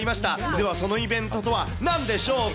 では、そのイベントとはなんでしょうか。